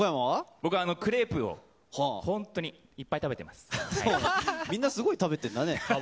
僕はクレープを、本当に、みんなすごい食べてんだね。